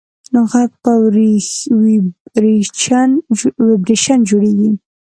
غږ په ویبرېشن جوړېږي.